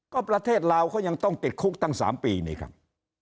ก็ประเทศลาวเขายังต้องติดคุกตั้ง๓ปีนี่ครับ